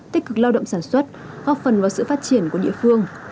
tích cực lao động sản xuất góp phần vào sự phát triển của địa phương